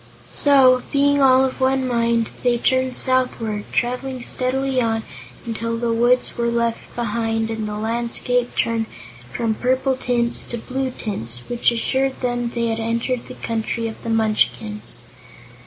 So, being all of one mind, they turned southward, traveling steadily on until the woods were left behind and the landscape turned from purple tints to blue tints, which assured them they had entered the Country of the Munchkins.